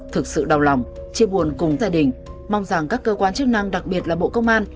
thực sự đau lòng chia buồn cùng gia đình mong rằng các cơ quan chức năng đặc biệt là bộ công an